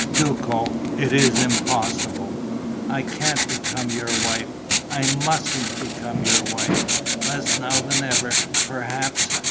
Duco, it is impossible. I can't become your wife. I mustn't become your wife ... less now than ever. Perhaps...."